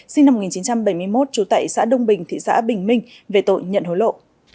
sinh năm một nghìn chín trăm bảy mươi một trú tại xã đông bình thị xã bình minh về tội nhận hối lộ